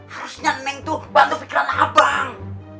harusnya neng tuh bantu pikiran abang